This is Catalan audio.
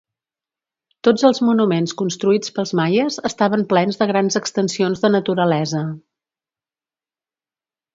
Tots els monuments construïts pels maies estaven plens de grans extensions de naturalesa.